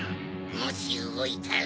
もしうごいたら。